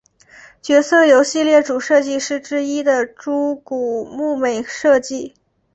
角色由系列主设计师之一的猪股睦美设计。